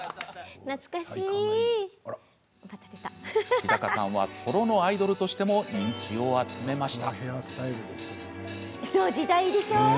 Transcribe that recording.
日高さんはソロのアイドルとしても人気を集めました。